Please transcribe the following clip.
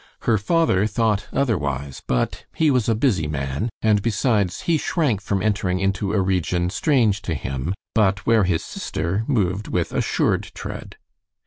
Her father thought otherwise, but he was a busy man, and besides, he shrank from entering into a region strange to him, but where his sister moved with assured tread.